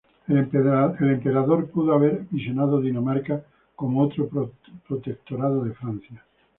El emperador pudo haber visionado Dinamarca como otro protectorado de Francia.